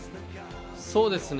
そうですね。